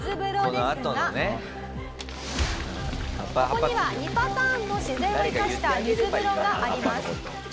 ここには２パターンの自然を生かした水風呂があります。